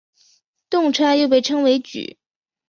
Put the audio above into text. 动差又被称为矩。